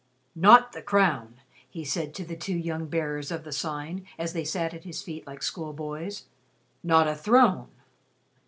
"Not the crown!" he said to the two young Bearers of the Sign as they sat at his feet like schoolboys "not a throne.